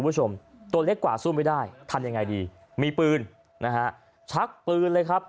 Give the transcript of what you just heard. ตัวเล็กกว่าสู้ไม่ได้ทำยังไงดีมีปืนนะฮะชักปืนเลยครับ